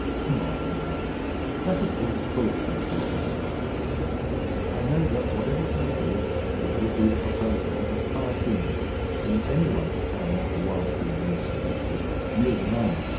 "Come, Bob, old man, let us hear the full extent of your proposition," said I. "I know that, whatever it may be, it will be the proposal of a thorough seaman, for if any one could carry out the wild scheme you have suggested, you are the man."